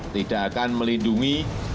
tidak akan melindungi